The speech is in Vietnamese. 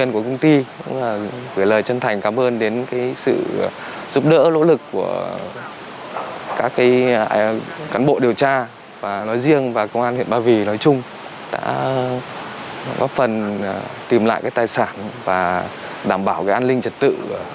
các cán bộ điều tra nói riêng và công an huyện ba vì nói chung đã góp phần tìm lại tài sản và đảm bảo an ninh trật tự